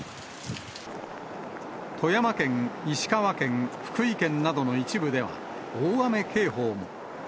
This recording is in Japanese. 富山県、石川県、福井県などの一部では、大雨警報も。